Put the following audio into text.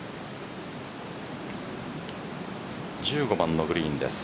１５番のグリーンです。